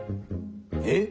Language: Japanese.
えっ？